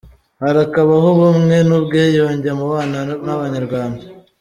harakabaho ubumwe n’ubwiyunjye mu bana b’abanyarwanda.